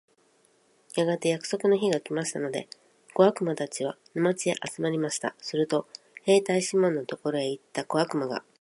やがて約束の日が来ましたので、小悪魔たちは、沼地へ集まりました。すると兵隊シモンのところへ行った小悪魔が、